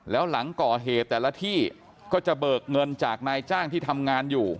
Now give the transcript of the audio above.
แล้วหลังก่อเหตุแต่ละที่ก็จะเบิกเงินจากนายจ้างที่ทำงานอยู่